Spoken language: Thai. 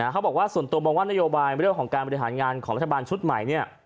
เขาบอกว่าส่วนตัวมองว่านโยบายเรื่องของการบริหารงานของรัฐบาลชุดใหม่